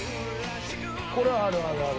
これはあるあるある。